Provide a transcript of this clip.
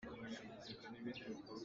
Cauk kha hrawl ah chia hna.